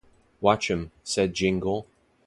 ‘Watch ‘em,’ said Jingle.